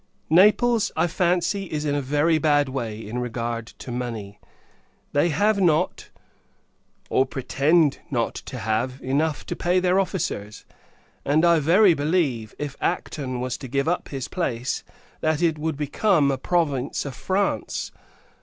Naples, I fancy, is in a very bad way, in regard to money. They have not, or pretend not to have, enough to pay their officers; and, I verily believe, if Acton was to give up his place, that it would become a province of France.